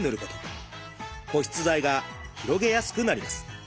保湿剤が広げやすくなります。